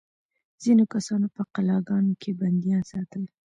ځینو کسانو په قلعه ګانو کې بندیان ساتل.